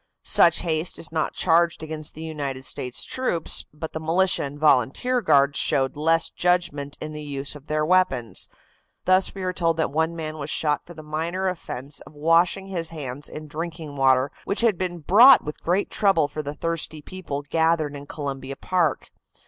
Such haste is not charged against the United States troops, but the militia and volunteer guards showed less judgment in the use of their weapons. Thus we are told that one man was shot for the minor offense of washing his hands in drinking water which had been brought with great trouble for the thirsty people gathered in Columbia Park.